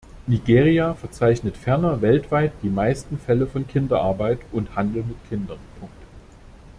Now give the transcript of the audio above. Nigeria verzeichnet ferner weltweit die meisten Fälle von Kinderarbeit und Handel mit Kindern.